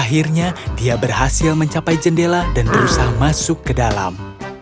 akhirnya dia berhasil mencapai jendela dan berusaha masuk ke dalam